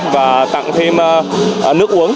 và tặng thêm nước uống